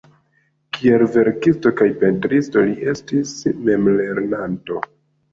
Kiel verkisto kaj pentristo li estis memlernanto.